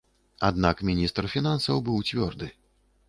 Аднак міністр фінансаў быў цвёрды.